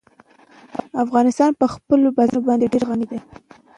افغانستان په خپلو بزګانو باندې ډېر غني دی.